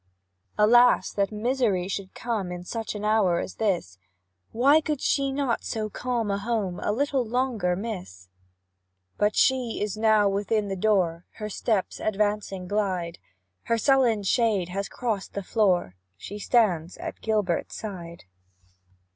Alas! that Misery should come In such an hour as this; Why could she not so calm a home A little longer miss? But she is now within the door, Her steps advancing glide; Her sullen shade has crossed the floor, She stands at Gilbert's side.